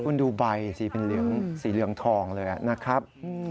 คุณดูใบสีเป็นสีเหลืองทองเลยนะครับ